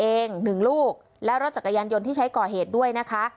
ประดิษฐ์เองหนึ่งลูกแล้วรถจักรยานยนต์ที่ใช้ก่อเหตุด้วยนะคะ